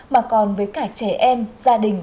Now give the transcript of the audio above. mà còn với cả trẻ em gia đình